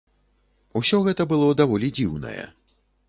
Усё гэта было даволі дзіўнае.